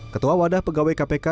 ketua wadah pegawai kpk